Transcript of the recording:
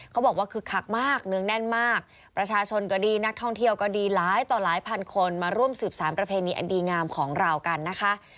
บอกว่าคึกคักมากเนื้องแน่นมากประชาชนก็ดีนักท่องเที่ยวก็ดีหลายต่อหลายพันคนมาร่วมสืบสารประเพณีอันดีงามของเรากันนะคะ